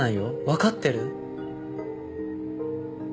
わかってる？